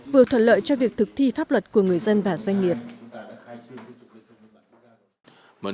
vừa thuận lợi cho việc thực thi pháp luật của người dân và doanh nghiệp